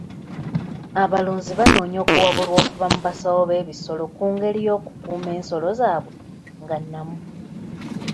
Abalunzi banoonya okuwabulwa okuva mu basawo b'ebisolo ku ngeri y'okukuuma ensolo zaabwe nga nnamu.